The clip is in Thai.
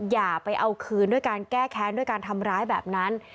อย่าไปเอาคืนด้วยการแก้แค้นด้วยการทำร้ายแบบนั้น